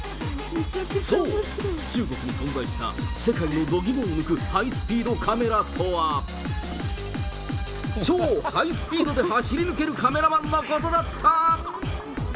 そう、中国に存在した世界の度肝を抜くハイスピードカメラとは、超ハイスピードで走り抜けるカメラマンのことだった。